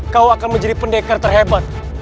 kau akan menjadi pendekar terhebat